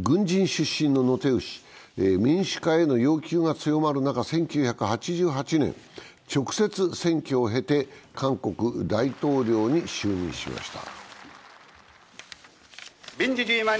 軍人出身のノ・テウ氏は民主化への要求が強まる中、１９８８年、直接選挙を経て韓国大統領に就任しました。